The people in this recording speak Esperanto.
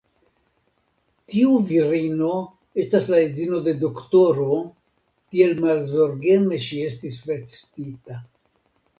Tiu virino estas la edzino de doktoro, tiel malzorgeme ŝi estis vestita.